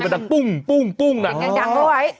ดังดร้อย